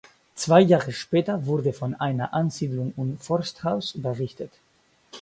Zwei Jahre später wurde von einer Ansiedlung und Forsthaus berichtet.